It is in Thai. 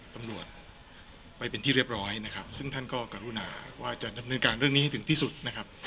ตำรวจไปเป็นที่เรียบร้อยนะครับซึ่งท่านก็กรุณาว่าจะดำเนินการเรื่องนี้ให้ถึงที่สุดนะครับ